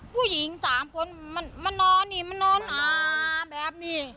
ผู้หญิง๓คนมานอนนี่มานอนน้ำแบบนี้